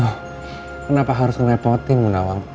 oh kenapa harus ngerepotin bu nawang